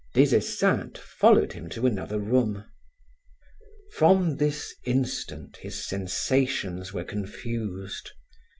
Des Esseintes followed him to another room. From this instant, his sensations were confused.